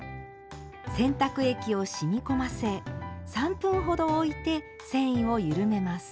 洗濯液をしみ込ませ３分ほどおいて繊維を緩めます。